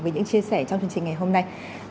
về những chia sẻ trong chương trình ngày hôm nay